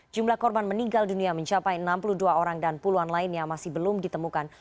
jumlah korban meninggal dunia mencapai enam puluh dua orang dan puluhan lainnya masih belum ditemukan